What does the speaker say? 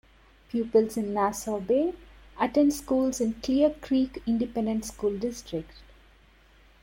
Pupils in Nassau Bay attend schools in Clear Creek Independent School District.